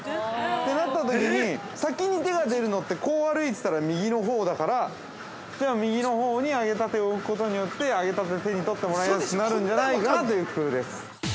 て、なったときに、先に手が出るのって、こう歩いてたら右のほうだから、右のほうに揚げたてを置くことによって、揚げたてを手に取ってもらいやすくなるんじゃないかなという工夫です。